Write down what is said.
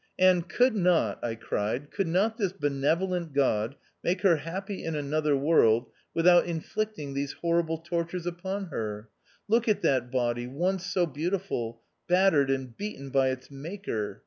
" And could not/' I cried, " could not this benevolent God make her happy in another world without inflicting these horrible tor tures upon her ? Look at that body, once so beautiful, battered and beaten by its maker.